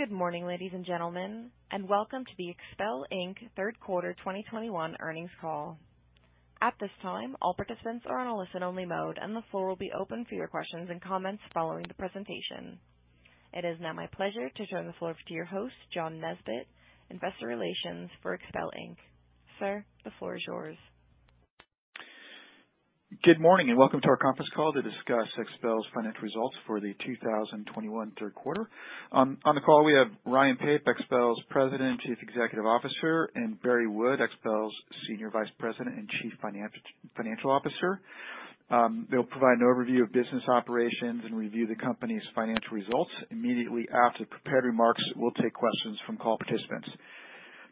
Good morning, ladies and gentlemen, and welcome to the XPEL, Inc. Q3 2021 earnings call. At this time, all participants are on a listen-only mode, and the floor will be open for your questions and comments following the presentation. It is now my pleasure to turn the floor over to your host, John Nesbett, investor relations for XPEL, Inc. Sir, the floor is yours. Good morning and welcome to our conference call to discuss XPEL's financial results for the 2021 third quarter. On the call we have Ryan Pape, XPEL's President and Chief Executive Officer, and Barry Wood, XPEL's Senior Vice President and Chief Financial Officer. They'll provide an overview of business operations and review the company's financial results. Immediately after prepared remarks, we'll take questions from call participants.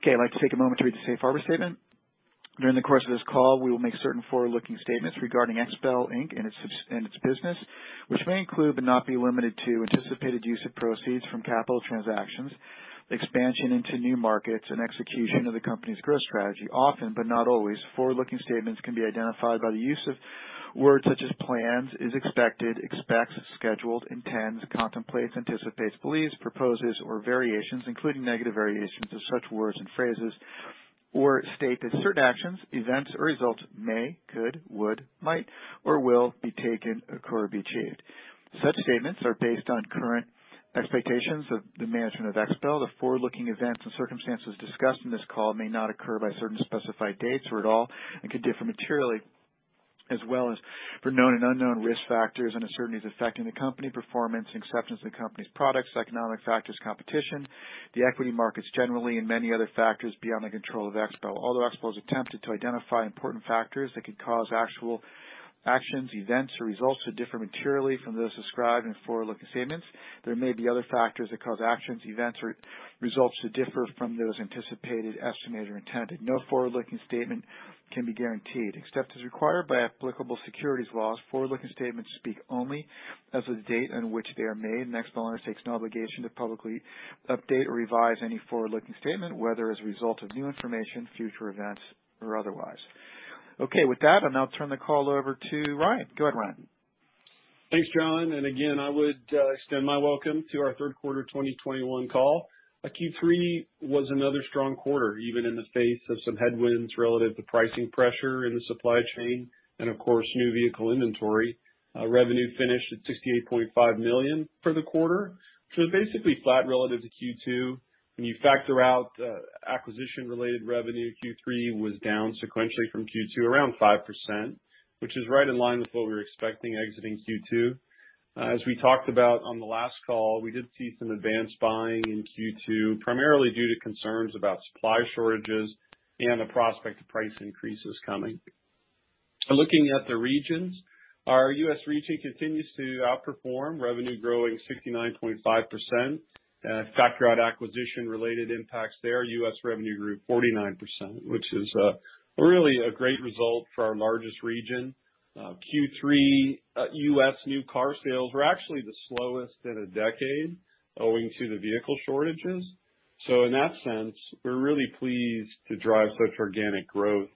Okay, I'd like to take a moment to read the safe harbor statement. During the course of this call, we will make certain forward-looking statements regarding XPEL, Inc. and its business, which may include, but not be limited to, anticipated use of proceeds from capital transactions, expansion into new markets, and execution of the company's growth strategy. Often, but not always, forward-looking statements can be identified by the use of words such as plans, is expected, expects, scheduled, intends, contemplates, anticipates, believes, proposes, or variations, including negative variations, of such words and phrases or state that certain actions, events or results may, could, would, might, or will be taken, occur, or be achieved. Such statements are based on current expectations of the management of XPEL. The forward-looking events and circumstances discussed in this call may not occur by certain specified dates or at all and could differ materially as a result of known and unknown risk factors and uncertainties affecting the company's performance and acceptance of the company's products, economic factors, competition, the equity markets generally, and many other factors beyond the control of XPEL. Although XPEL has attempted to identify important factors that could cause actual actions, events, or results to differ materially from those described in forward-looking statements, there may be other factors that cause actions, events, or results to differ from those anticipated, estimated, or intended. No forward-looking statement can be guaranteed. Except as required by applicable securities laws, forward-looking statements speak only as of the date on which they are made, and XPEL undertakes no obligation to publicly update or revise any forward-looking statement, whether as a result of new information, future events, or otherwise. Okay, with that, I'll now turn the call over to Ryan. Go ahead, Ryan. Thanks, John. Again, I would extend my welcome to our third quarter 2021 call. Q3 was another strong quarter, even in the face of some headwinds relative to pricing pressure in the supply chain and of course, new vehicle inventory. Revenue finished at $68.5 million for the quarter, so basically flat relative to Q2. When you factor out acquisition-related revenue, Q3 was down sequentially from Q2 around 5%, which is right in line with what we were expecting exiting Q2. As we talked about on the last call, we did see some advance buying in Q2, primarily due to concerns about supply shortages and the prospect of price increases coming. Looking at the regions, our U.S. retail continues to outperform, revenue growing 69.5%. Factor out acquisition-related impacts there, U.S. revenue grew 49%, which is really a great result for our largest region. Q3 U.S. new car sales were actually the slowest in a decade owing to the vehicle shortages. In that sense, we're really pleased to drive such organic growth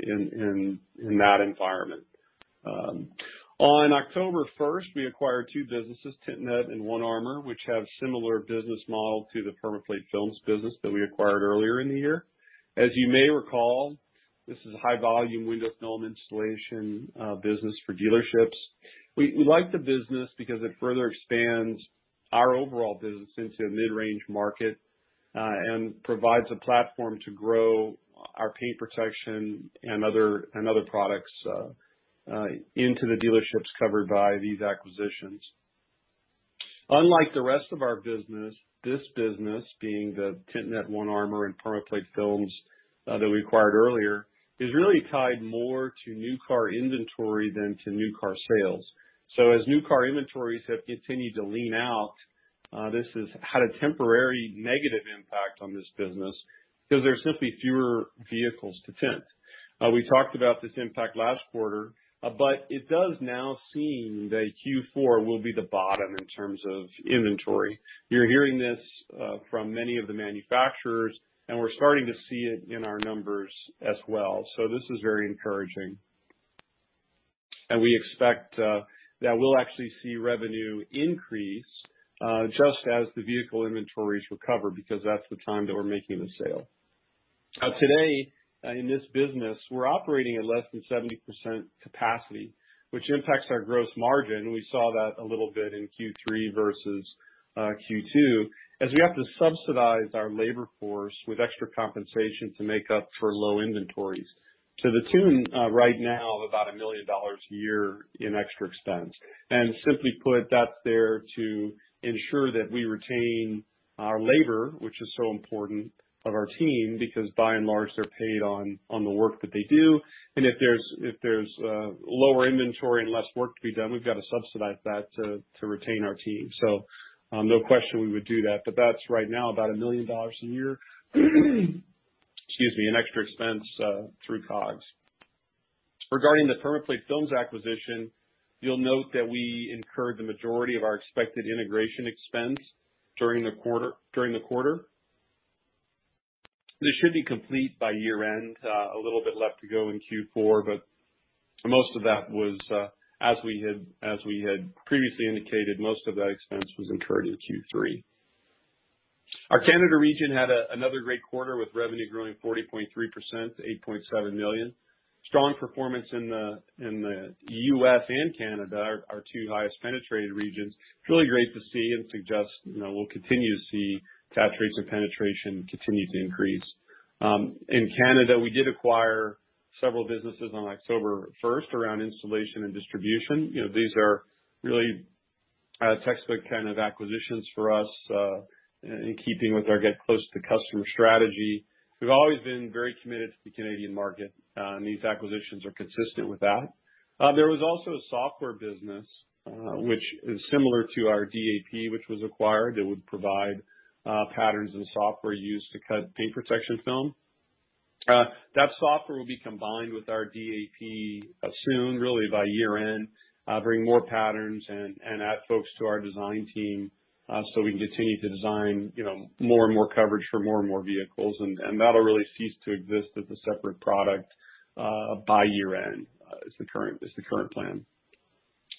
in that environment. On October 1st, we acquired two businesses, Tint Net and One Armor, which have similar business model to the PermaPlate Film business that we acquired earlier in the year. As you may recall, this is a high volume window film installation business for dealerships. We like the business because it further expands our overall business into the mid-range market and provides a platform to grow our paint protection and other products into the dealerships covered by these acquisitions. Unlike the rest of our business, this business being the Tint Net, One Armor, and PermaPlate Film, that we acquired earlier, is really tied more to new car inventory than to new car sales. As new car inventories have continued to lean out, this has had a temporary negative impact on this business because there are simply fewer vehicles to tint. We talked about this impact last quarter, but it does now seem that Q4 will be the bottom in terms of inventory. You're hearing this, from many of the manufacturers, and we're starting to see it in our numbers as well. This is very encouraging. We expect, that we'll actually see revenue increase, just as the vehicle inventories recover, because that's the time that we're making the sale. Today in this business, we're operating at less than 70% capacity, which impacts our gross margin. We saw that a little bit in Q3 versus Q2, as we have to subsidize our labor force with extra compensation to make up for low inventories to the tune right now of about $1 million a year in extra expense. Simply put, that's there to ensure that we retain our labor, which is so important of our team, because by and large, they're paid on the work that they do. If there's lower inventory and less work to be done, we've got to subsidize that to retain our team. No question we would do that. That's right now about $1 million a year, excuse me, in extra expense through COGS. Regarding the PermaPlate Film acquisition, you'll note that we incurred the majority of our expected integration expense during the quarter. This should be complete by year-end. A little bit left to go in Q4, but most of that was, as we had previously indicated, most of that expense was incurred in Q3. Our Canada region had another great quarter with revenue growing 40.3% to $8.7 million. Strong performance in the U.S. and Canada, our two highest penetrated regions. It's really great to see and it suggests, you know, we'll continue to see that rates of penetration continue to increase. In Canada, we did acquire several businesses on October 1st around installation and distribution. You know, these are really textbook kind of acquisitions for us in keeping with our get close to customer strategy. We've always been very committed to the Canadian market, and these acquisitions are consistent with that. There was also a software business which is similar to our DAP, which was acquired. It would provide patterns and software used to cut paint protection film. That software will be combined with our DAP soon, really by year end, bring more patterns and add folks to our design team, so we can continue to design, you know, more and more coverage for more and more vehicles. And that'll really cease to exist as a separate product by year end, is the current plan.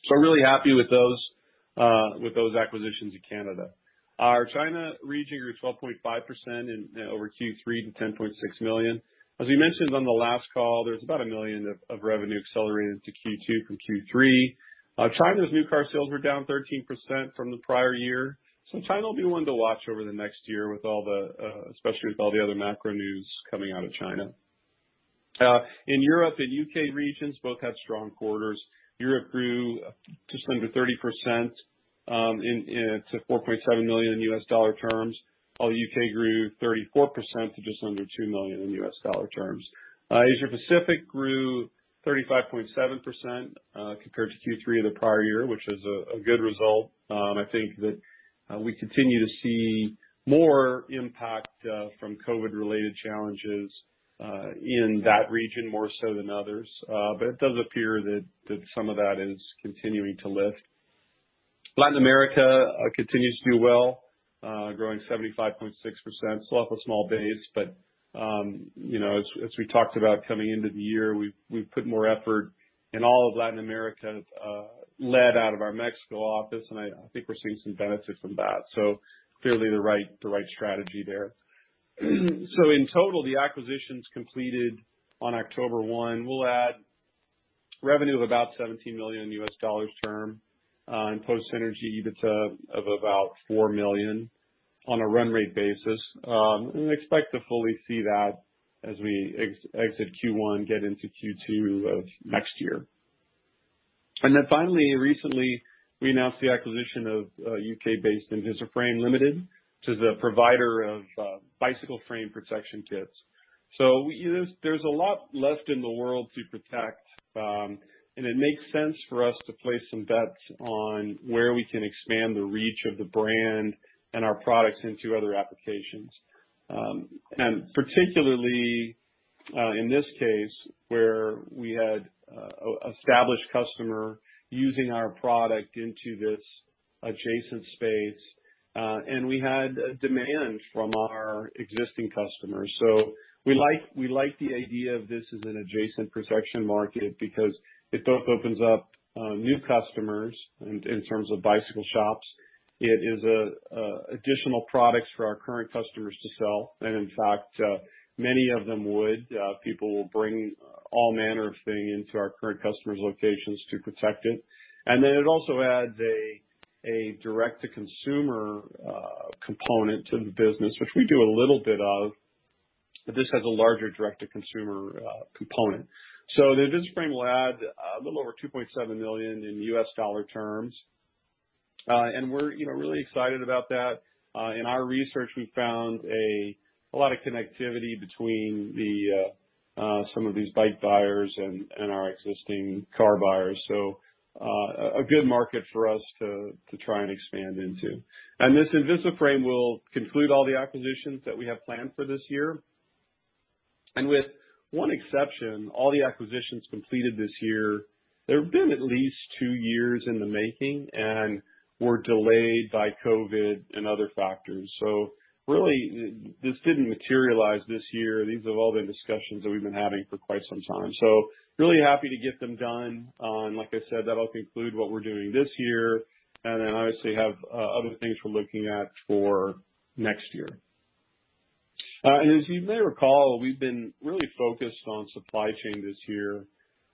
So I'm really happy with those acquisitions in Canada. Our China region grew 12.5% over Q3 to $10.6 million. As we mentioned on the last call, there's about $1 million of revenue accelerated to Q2 from Q3. China's new car sales were down 13% from the prior year. China will be one to watch over the next year, especially with all the other macro news coming out of China. In Europe and U.K. regions, both had strong quarters. Europe grew just under 30%, to $4.7 million in U.S. dollar terms, while the U.K. grew 34% to just under $2 million in U.S. dollar terms. Asia Pacific grew 35.7%, compared to Q3 of the prior year, which is a good result. I think that we continue to see more impact from COVID-related challenges in that region more so than others. It does appear that some of that is continuing to lift. Latin America continues to do well, growing 75.6%. Still off a small base, but you know, as we talked about coming into the year, we've put more effort in all of Latin America, led out of our Mexico office, and I think we're seeing some benefit from that. Clearly the right strategy there. In total, the acquisitions completed on October 1 will add revenue of about $17 million and post-synergy EBITDA of about $4 million on a run-rate basis. We expect to fully see that as we exit Q1, get into Q2 of next year. Finally, recently, we announced the acquisition of U.K.-based invisiFRAME, Ltd., which is a provider of bicycle frame protection kits. There's a lot left in the world to protect, and it makes sense for us to place some bets on where we can expand the reach of the brand and our products into other applications. Particularly, in this case, where we had a established customer using our product into this adjacent space, and we had a demand from our existing customers. We like the idea of this as an adjacent protection market because it both opens up new customers in terms of bicycle shops. It is additional products for our current customers to sell. In fact, many of them would. People will bring all manner of thing into our current customers' locations to protect it. It also adds a direct to consumer component to the business, which we do a little bit of, but this has a larger direct to consumer component. The invisiFRAME will add a little over $2.7 million in U.S. dollar terms. We're, you know, really excited about that. In our research, we found a lot of connectivity between some of these bike buyers and our existing car buyers. A good market for us to try and expand into. This invisiFRAME will conclude all the acquisitions that we have planned for this year. With one exception, all the acquisitions completed this year, they have been at least two years in the making and were delayed by COVID and other factors. Really, this didn't materialize this year. These have all been discussions that we've been having for quite some time. Really happy to get them done. Like I said, that'll conclude what we're doing this year, and then obviously have other things we're looking at for next year. As you may recall, we've been really focused on supply chain this year,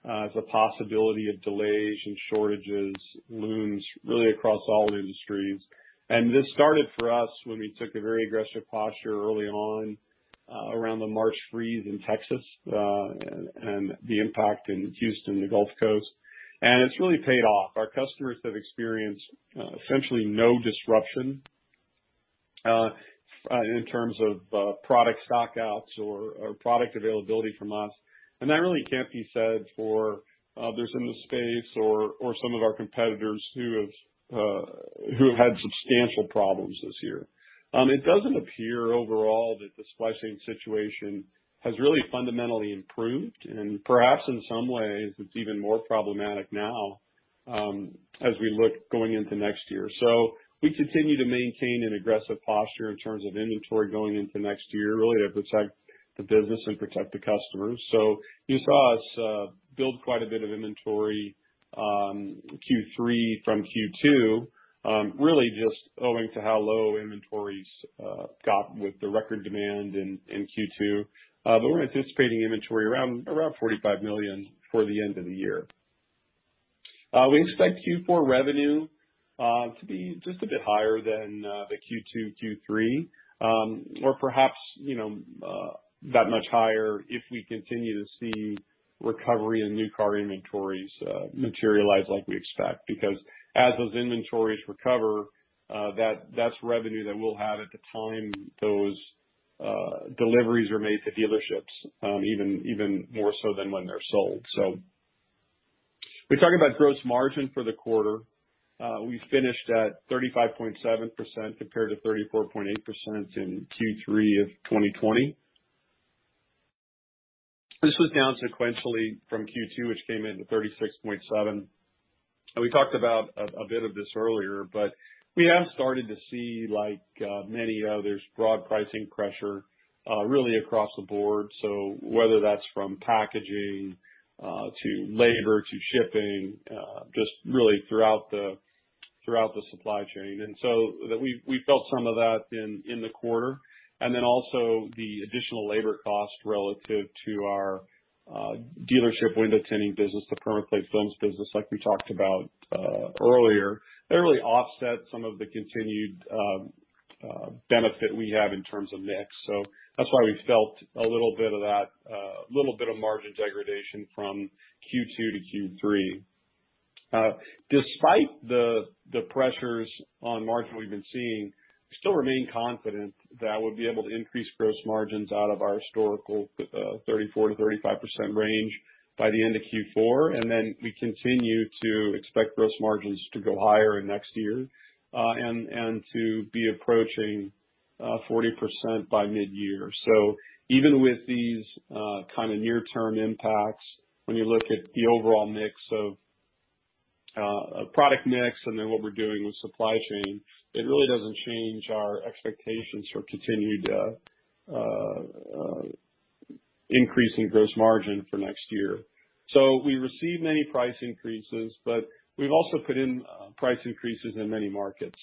as the possibility of delays and shortages looms really across all industries. This started for us when we took a very aggressive posture early on, around the March freeze in Texas, and the impact in Houston, the Gulf Coast. It's really paid off. Our customers have experienced essentially no disruption in terms of product stock outs or product availability from us. That really can't be said for others in the space or some of our competitors who have had substantial problems this year. It doesn't appear overall that the supply chain situation has really fundamentally improved, and perhaps in some ways it's even more problematic now, as we look going into next year. We continue to maintain an aggressive posture in terms of inventory going into next year, really to protect the business and protect the customers. You saw us build quite a bit of inventory Q3 from Q2 really just owing to how low inventories got with the record demand in Q2. We're anticipating inventory around $45 million for the end of the year. We expect Q4 revenue to be just a bit higher than the Q2, Q3, or perhaps, you know, that much higher if we continue to see recovery in new car inventories materialize like we expect. Because as those inventories recover, that's revenue that we'll have at the time those deliveries are made to dealerships, even more so than when they're sold. We talked about gross margin for the quarter. We finished at 35.7% compared to 34.8% in Q3 of 2020. This was down sequentially from Q2, which came in at 36.7%. We talked about a bit of this earlier, but we have started to see like many others broad pricing pressure really across the board. Whether that's from packaging to labor to shipping just really throughout the supply chain. We felt some of that in the quarter. Then also the additional labor cost relative to our dealership window tinting business, the PermaPlate Films business like we talked about earlier, that really offset some of the continued benefit we have in terms of mix. That's why we felt a little bit of that little bit of margin degradation from Q2 to Q3. Despite the pressures on margin we've been seeing, we still remain confident that we'll be able to increase gross margins out of our historical 34%-35% range by the end of Q4. We continue to expect gross margins to go higher in next year, and to be approaching 40% by mid-year. Even with these kind of near-term impacts, when you look at the overall mix of product mix and then what we're doing with supply chain, it really doesn't change our expectations for continued increasing gross margin for next year. We received many price increases, but we've also put in price increases in many markets.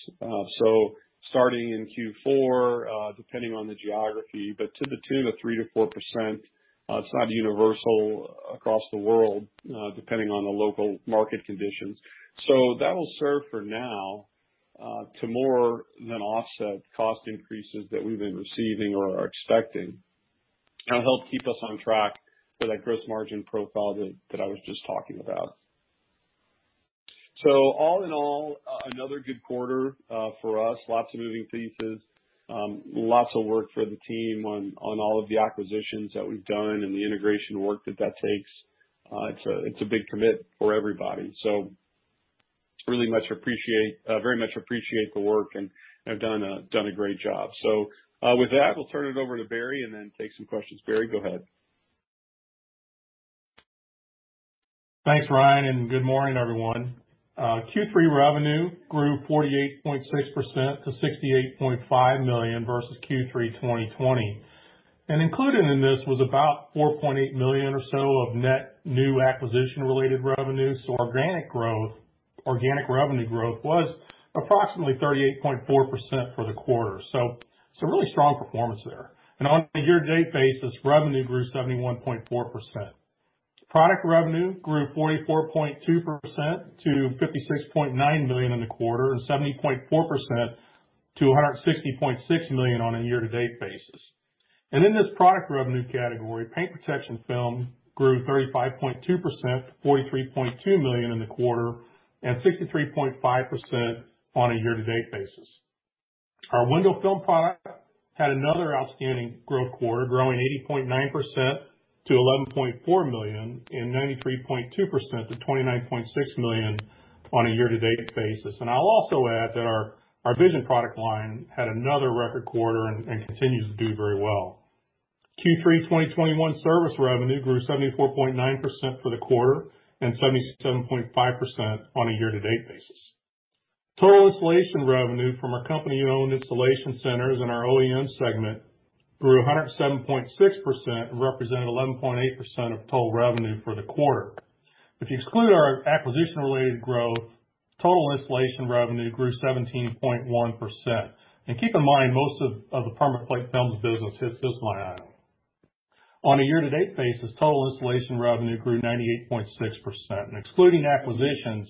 Starting in Q4, depending on the geography, but to the tune of 3%-4%. It's not universal across the world, depending on the local market conditions. That will serve for now to more than offset cost increases that we've been receiving or are expecting, and help keep us on track for that gross margin profile that I was just talking about. All in all, another good quarter for us. Lots of moving pieces, lots of work for the team on all of the acquisitions that we've done and the integration work that that takes. It's a big commitment for everybody. Very much appreciate the work and have done a great job. With that, we'll turn it over to Barry and then take some questions. Barry, go ahead. Thanks, Ryan, and good morning, everyone. Q3 revenue grew 48.6% to $68.5 million versus Q3 2020. Included in this was about $4.8 million or so of net new acquisition-related revenue. Organic growth, organic revenue growth was approximately 38.4% for the quarter. It's a really strong performance there. On a year-to-date basis, revenue grew 71.4%. Product revenue grew 44.2% to $56.9 million in the quarter and 70.4% to $160.6 million on a year-to-date basis. In this product revenue category, paint protection film grew 35.2%, $43.2 million in the quarter, and 63.5% on a year-to-date basis. Our window film product had another outstanding growth quarter, growing 80.9% to $11.4 million and 93.2% to $29.6 million on a year-to-date basis. I'll also add that our VISION product line had another record quarter and continues to do very well. Q3 2021 service revenue grew 74.9% for the quarter and 77.5% on a year-to-date basis. Total installation revenue from our company-owned installation centers in our OEM segment grew 107.6% and represented 11.8% of total revenue for the quarter. If you exclude our acquisition-related growth, total installation revenue grew 17.1%. Keep in mind, most of the PermaPlate Films business hits this line item. On a year-to-date basis, total installation revenue grew 98.6%. Excluding acquisitions,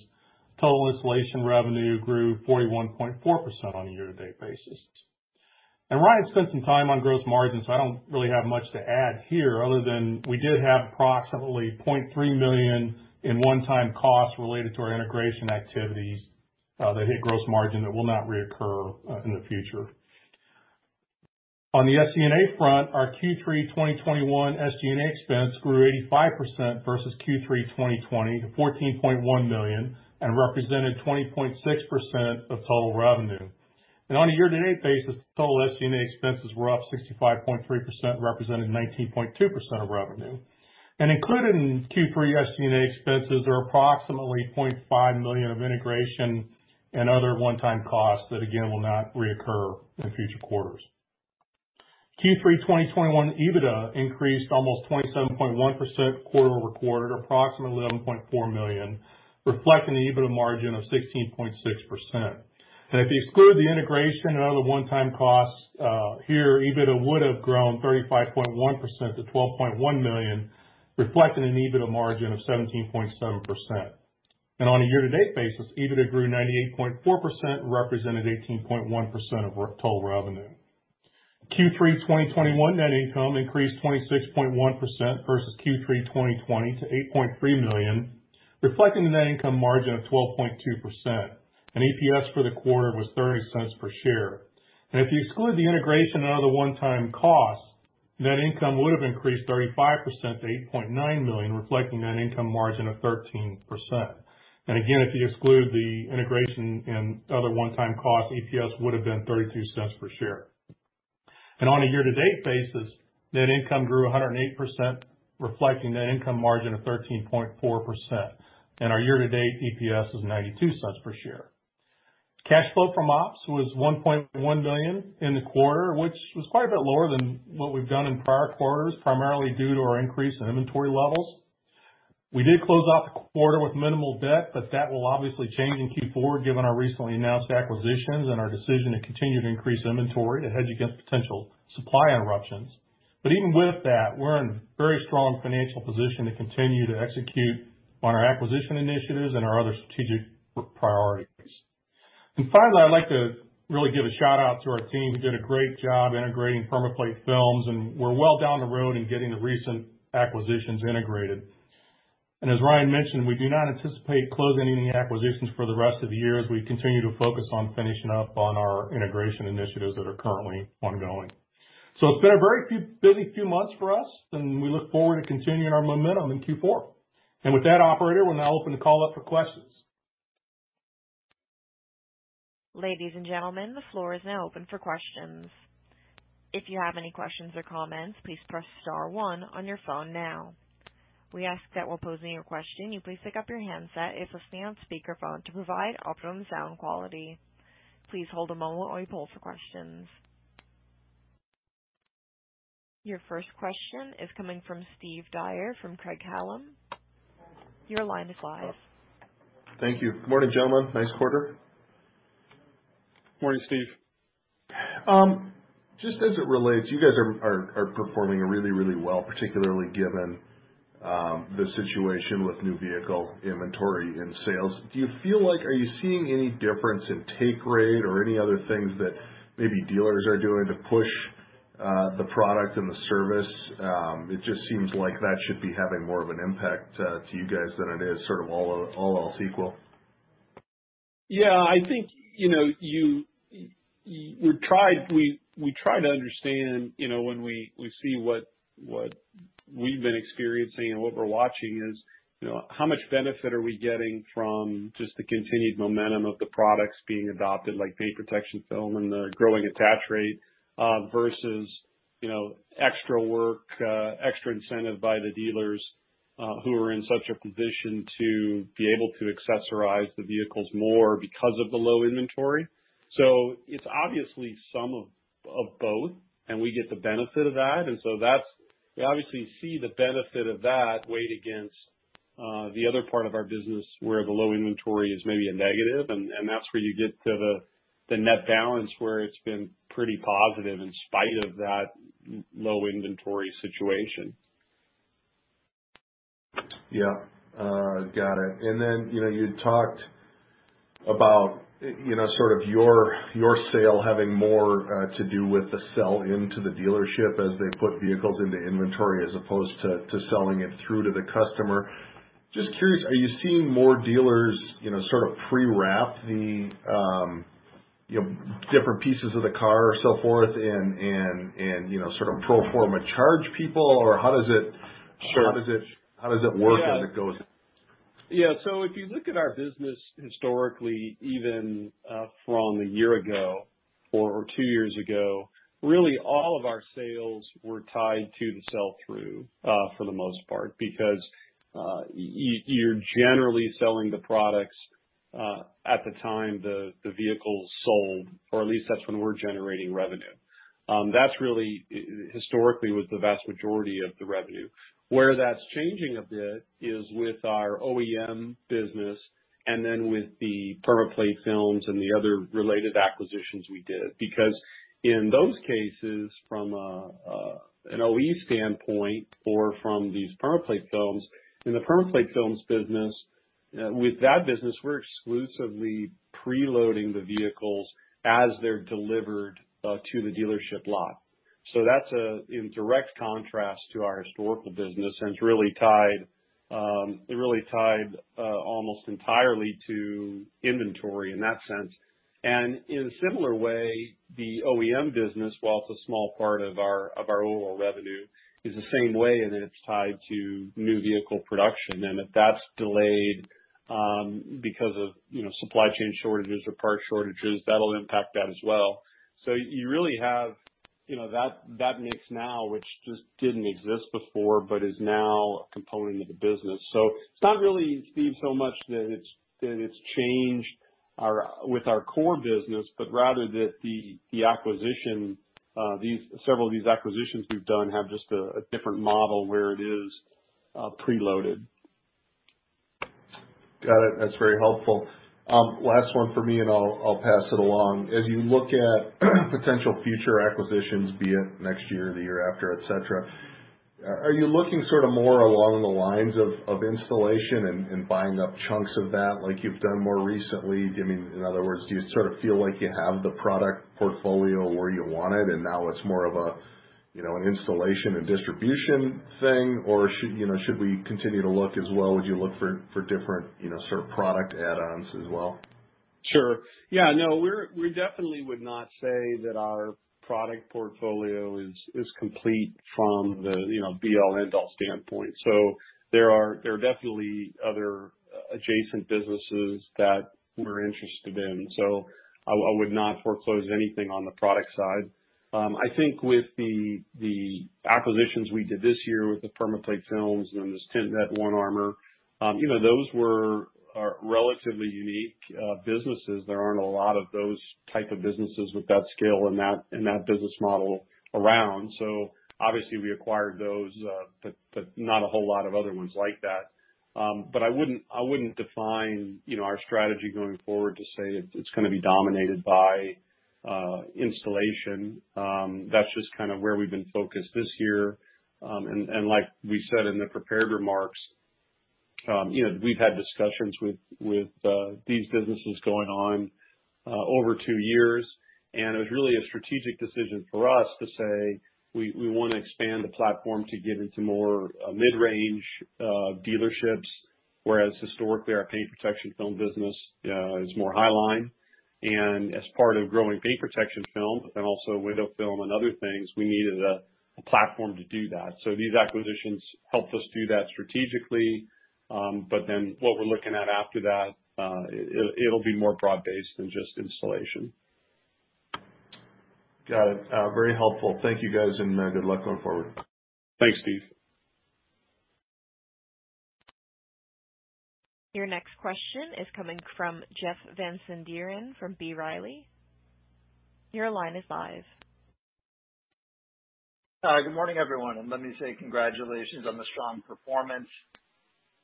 total installation revenue grew 41.4% on a year-to-date basis. Ryan spent some time on gross margins, so I don't really have much to add here other than we did have approximately $0.3 million in one-time costs related to our integration activities that hit gross margin that will not reoccur in the future. On the SG&A front, our Q3 2021 SG&A expense grew 85% versus Q3 2020 to $14.1 million and represented 20.6% of total revenue. On a year-to-date basis, total SG&A expenses were up 65.3%, representing 19.2% of revenue. Included in Q3 SG&A expenses are approximately $0.5 million of integration and other one-time costs that, again, will not reoccur in future quarters. Q3 2021 EBITDA increased almost 27.1% quarter-over-quarter to approximately $11.4 million, reflecting the EBITDA margin of 16.6%. If you exclude the integration and other one-time costs, EBITDA would have grown 35.1% to $12.1 million, reflecting an EBITDA margin of 17.7%. On a year-to-date basis, EBITDA grew 98.4% and represented 18.1% of total revenue. Q3 2021 net income increased 26.1% versus Q3 2020 to $8.3 million, reflecting the net income margin of 12.2%. EPS for the quarter was $0.30 per share. If you exclude the integration and other one-time costs, net income would have increased 35% to $8.9 million, reflecting net income margin of 13%. Again, if you exclude the integration and other one-time costs, EPS would have been $0.32 per share. On a year-to-date basis, net income grew 108%, reflecting net income margin of 13.4%. Our year-to-date EPS is $0.92 per share. Cash flow from ops was $1.1 million in the quarter, which was quite a bit lower than what we've done in prior quarters, primarily due to our increase in inventory levels. We did close out the quarter with minimal debt, but that will obviously change in Q4 given our recently announced acquisitions and our decision to continue to increase inventory to hedge against potential supply interruptions. Even with that, we're in a very strong financial position to continue to execute on our acquisition initiatives and our other strategic priorities. Finally, I'd like to really give a shout-out to our team, who did a great job integrating PermaPlate Film, and we're well down the road in getting the recent acquisitions integrated. As Ryan mentioned, we do not anticipate closing any acquisitions for the rest of the year as we continue to focus on finishing up on our integration initiatives that are currently ongoing. It's been a busy few months for us, and we look forward to continuing our momentum in Q4. With that, operator, we'll now open the call up for questions. Ladies and gentlemen, the floor is now open for questions. If you have any questions or comments, please press star one on your phone now. We ask that while posing your question, you please pick up your handset if it's on speakerphone to provide optimum sound quality. Please hold a moment while we poll for questions. Your first question is coming from Steve Dyer from Craig-Hallum. Your line is live. Thank you. Good morning, gentlemen. Nice quarter. Morning, Steve. Just as it relates, you guys are performing really well, particularly given the situation with new vehicle inventory and sales. Do you feel like Are you seeing any difference in take rate or any other things that maybe dealers are doing to push the product and the service? It just seems like that should be having more of an impact to you guys than it is sort of all else equal. I think, you know, we try to understand, you know, when we see what we've been experiencing and what we're watching is, you know, how much benefit are we getting from just the continued momentum of the products being adopted, like paint protection film and the growing attach rate, versus, you know, extra work, extra incentive by the dealers, who are in such a position to be able to accessorize the vehicles more because of the low inventory. It's obviously some of both, and we get the benefit of that. We obviously see the benefit of that weighed against the other part of our business, where the low inventory is maybe a negative. That's where you get to the net balance, where it's been pretty positive in spite of that low inventory situation. Yeah. Got it. Then, you know, you talked about, you know, sort of your sale having more to do with the sell-in to the dealership as they put vehicles into inventory as opposed to selling it through to the customer. Just curious, are you seeing more dealers, you know, sort of pre-wrap the, you know, different pieces of the car or so forth and, you know, sort of pro forma charge people? Or how does it Sure. How does it work as it goes? Yeah. If you look at our business historically, even from a year ago or two years ago, really all of our sales were tied to the sell-through for the most part. Because you're generally selling the products at the time the vehicle's sold, or at least that's when we're generating revenue. That's really historically was the vast majority of the revenue. Where that's changing a bit is with our OEM business and then with the PermaPlate Film and the other related acquisitions we did. Because in those cases, from an OE standpoint or from these PermaPlate Film, in the PermaPlate Film business, with that business, we're exclusively preloading the vehicles as they're delivered to the dealership lot. That's in direct contrast to our historical business, and it's really tied almost entirely to inventory in that sense. In a similar way, the OEM business, while it's a small part of our overall revenue, is the same way in that it's tied to new vehicle production. If that's delayed, because of, you know, supply chain shortages or parts shortages, that'll impact that as well. You really have You know, that mix now, which just didn't exist before, but is now a component of the business. It's not really, Steve, so much that it's with our core business, but rather that several of these acquisitions we've done have just a different model where it is preloaded. Got it. That's very helpful. Last one for me, and I'll pass it along. As you look at potential future acquisitions, be it next year or the year after, et cetera, are you looking sort of more along the lines of installation and buying up chunks of that, like you've done more recently? I mean, in other words, do you sort of feel like you have the product portfolio where you want it, and now it's more of a you know, an installation and distribution thing? Or should you know, should we continue to look as well, would you look for different you know, sort of product add-ons as well? Sure. Yeah, no, we definitely would not say that our product portfolio is complete from the, you know, be all, end all standpoint. There are definitely other adjacent businesses that we're interested in. I would not foreclose anything on the product side. I think with the acquisitions we did this year with the PermaPlate Film and this Tint Net/One Armor, you know, those are relatively unique businesses. There aren't a lot of those type of businesses with that scale and that business model around. Obviously we acquired those, but not a whole lot of other ones like that. I wouldn't define, you know, our strategy going forward to say it's gonna be dominated by installation. That's just kind of where we've been focused this year. Like we said in the prepared remarks, you know, we've had discussions with these businesses going on over two years, and it was really a strategic decision for us to say, we wanna expand the platform to get into more mid-range dealerships, whereas historically our paint protection film business is more high line. As part of growing paint protection film and also window film and other things, we needed a platform to do that. These acquisitions helped us do that strategically, but then what we're looking at after that, it'll be more broad based than just installation. Got it. Very helpful. Thank you, guys, and good luck going forward. Thanks, Steve. Your next question is coming from Jeff Van Sinderen from B. Riley. Your line is live. Hi, good morning, everyone, and let me say congratulations on the strong performance.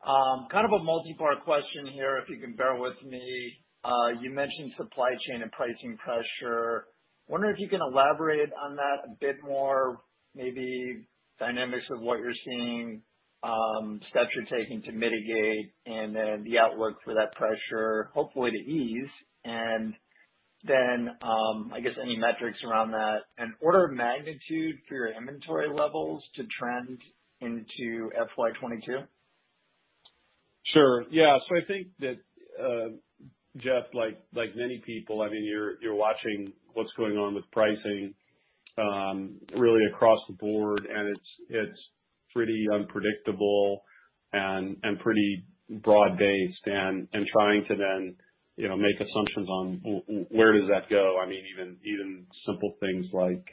Kind of a multi-part question here, if you can bear with me. You mentioned supply chain and pricing pressure. Wondering if you can elaborate on that a bit more, maybe dynamics of what you're seeing, steps you're taking to mitigate, and then the outlook for that pressure hopefully to ease. I guess any metrics around that, and order of magnitude for your inventory levels to trend into FY 2022? Sure. Yeah. I think that, Jeff, like many people, I mean, you're watching what's going on with pricing really across the board and it's pretty unpredictable and pretty broad-based and trying to then, you know, make assumptions on where does that go? I mean, even simple things like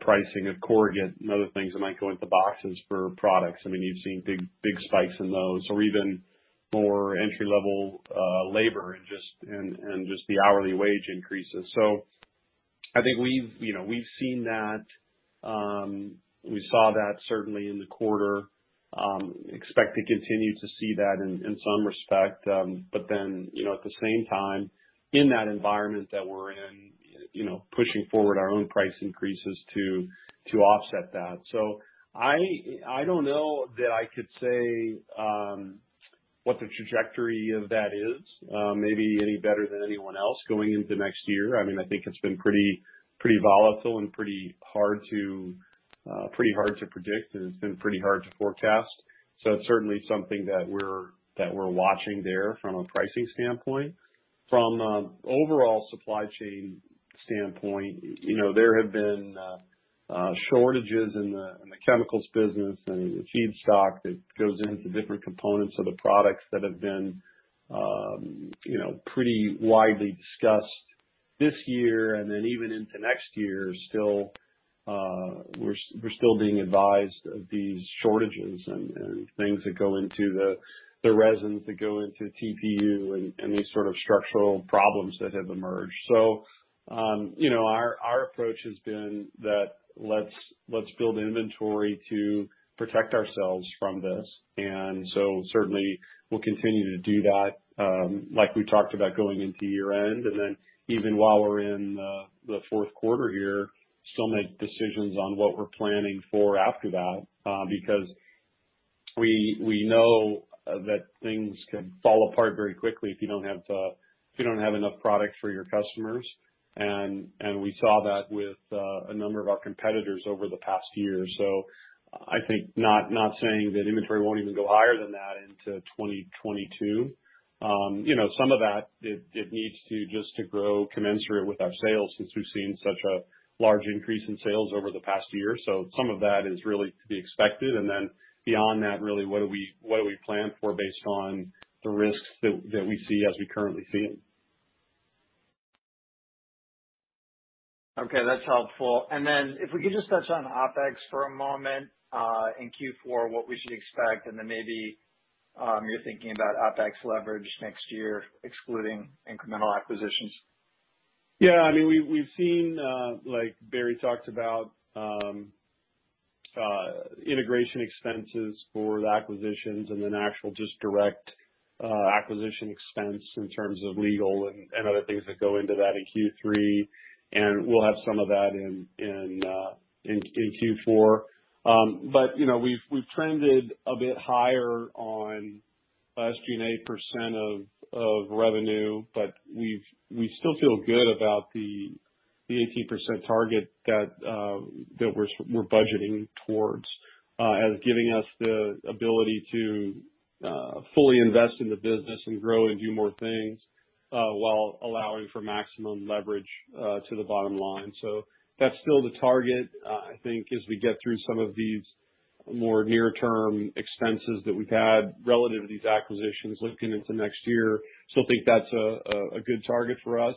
pricing of corrugated and other things that might go into boxes for products. I mean, you've seen big spikes in those or even more entry-level labor and just the hourly wage increases. I think we've, you know, we've seen that. We saw that certainly in the quarter. Expect to continue to see that in some respect. At the same time in that environment that we're in, you know, pushing forward our own price increases to offset that. I don't know that I could say what the trajectory of that is, maybe any better than anyone else going into next year. I mean, I think it's been pretty volatile and pretty hard to predict, and it's been pretty hard to forecast. It's certainly something that we're watching there from a pricing standpoint. From an overall supply chain standpoint, you know, there have been shortages in the chemicals business and the feedstock that goes into different components of the products that have been, you know, pretty widely discussed this year, and then even into next year still, we're still being advised of these shortages and things that go into the resins that go into TPU and these sort of structural problems that have emerged. You know, our approach has been that let's build inventory to protect ourselves from this. Certainly we'll continue to do that, like we talked about going into year end. Then even while we're in the fourth quarter here, we still make decisions on what we're planning for after that, because we know that things can fall apart very quickly if you don't have enough product for your customers. We saw that with a number of our competitors over the past year. I think, not saying that inventory won't even go higher than that into 2022. You know, some of that, it needs to just grow commensurate with our sales since we've seen such a large increase in sales over the past year. Some of that is really to be expected. Then beyond that, really what do we plan for based on the risks that we see as we currently see them? Okay, that's helpful. If we could just touch on OpEx for a moment, in Q4 what we should expect and then maybe your thinking about OpEx leverage next year, excluding incremental acquisitions. Yeah. I mean, we've seen, like Barry talked about, integration expenses for the acquisitions and then actual just direct, acquisition expense in terms of legal and other things that go into that in Q3. We'll have some of that in Q4. You know, we've trended a bit higher on SG&A percent of revenue, but we still feel good about the 18% target that we're budgeting towards, as giving us the ability to fully invest in the business and grow and do more things, while allowing for maximum leverage to the bottom line. That's still the target. I think as we get through some of these more near-term expenses that we've had relative to these acquisitions looking into next year, still think that's a good target for us.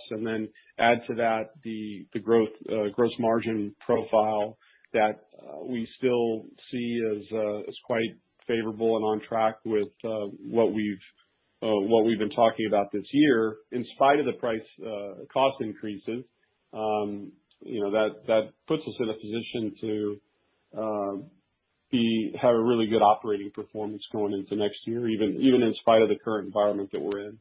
Add to that the growth gross margin profile that we still see as quite favorable and on track with what we've been talking about this year in spite of the price cost increases. You know, that puts us in a position to have a really good operating performance going into next year, even in spite of the current environment that we're in.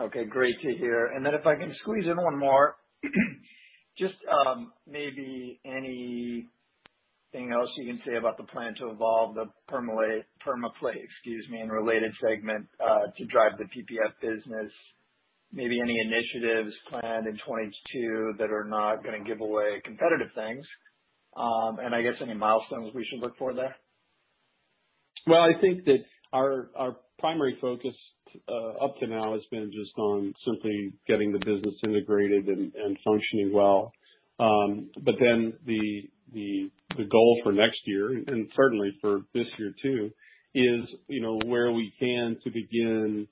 Okay, great to hear. If I can squeeze in one more. Just, maybe anything else you can say about the plan to evolve the PermaPlate and related segment to drive the PPF business? Maybe any initiatives planned in 2022 that are not gonna give away competitive things. I guess any milestones we should look for there? Well, I think that our primary focus up to now has been just on simply getting the business integrated and functioning well. The goal for next year, and certainly for this year too, is, you know, where we can to begin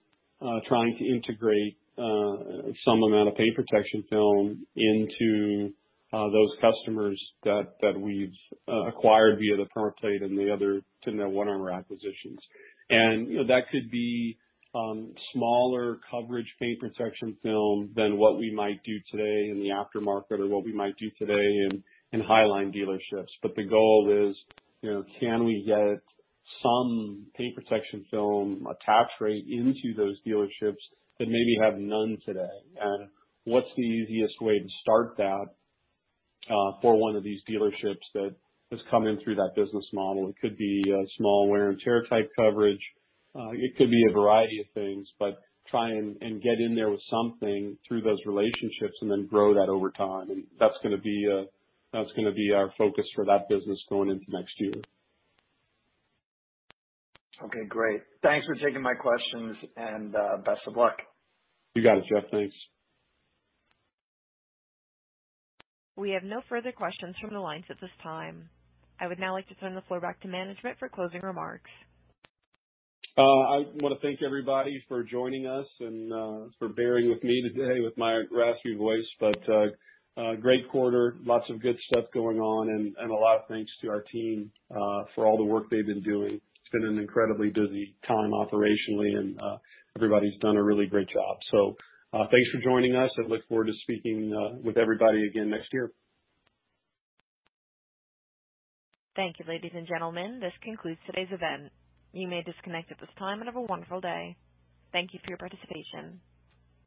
trying to integrate some amount of paint protection film into those customers that we've acquired via the PermaPlate and the other two Tint Net and One Armor acquisitions. That could be smaller coverage paint protection film than what we might do today in the aftermarket or what we might do today in highline dealerships. The goal is, you know, can we get some paint protection film attach rate into those dealerships that maybe have none today? What's the easiest way to start that, for one of these dealerships that has come in through that business model? It could be a small wear and tear type coverage. It could be a variety of things. But try and get in there with something through those relationships and then grow that over time. That's gonna be our focus for that business going into next year. Okay, great. Thanks for taking my questions and best of luck. You got it, Jeff. Thanks. We have no further questions from the lines at this time. I would now like to turn the floor back to management for closing remarks. I wanna thank everybody for joining us and for bearing with me today with my raspy voice. A great quarter. Lots of good stuff going on, and a lot of thanks to our team for all the work they've been doing. It's been an incredibly busy time operationally and everybody's done a really great job. Thanks for joining us. I look forward to speaking with everybody again next year. Thank you, ladies and gentlemen, this concludes today's event. You may disconnect at this time, and have a wonderful day. Thank you for your participation.